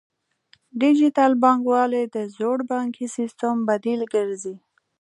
ډیجیټل بانکوالي د زوړ بانکي سیستم بدیل ګرځي.